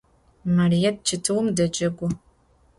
Marıêt çetıum decegu.